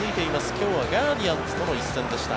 今日はガーディアンズとの一戦でした。